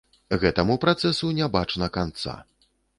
Гэтаму працэсу не бачна канца.